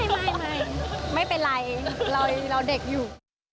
ไม่ไม่เป็นไรเราเด็กอยู่